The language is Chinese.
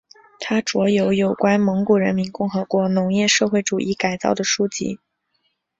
他着有有关蒙古人民共和国农业社会主义改造的书籍。